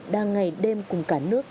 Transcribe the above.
đang ngày đêm cùng cả nước